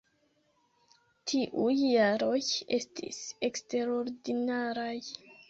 Tiuj jaroj estis eksterordinaraj.